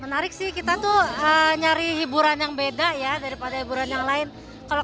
menarik sih kita tuh nyari hiburan yang beda ya daripada hiburan yang lain kalau